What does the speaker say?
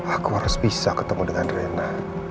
aku harus bisa ketemu dengan rena